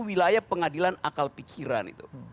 wilayah pengadilan akal pikiran